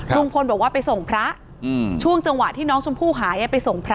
ลุงพลบอกว่าไปส่งพระช่วงจังหวะที่น้องชมพู่หายไปส่งพระ